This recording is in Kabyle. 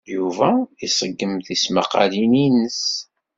Yuba iṣeggem tismaqqalin-nnes.